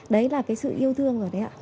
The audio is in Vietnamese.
đấy là cái sự yêu thương rồi đấy ạ